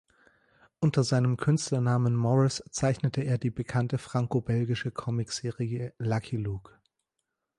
Unter seinem Künstlernamen Morris zeichnete er die bekannte frankobelgische Comicserie "Lucky Luke".